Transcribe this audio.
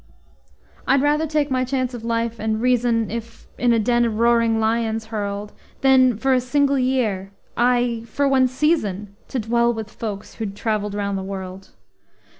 I'd rather take my chance of life and reason, If in a den of roaring lions hurled Than for a single year, ay, for one season, To dwell with folks who'd traveled round the world.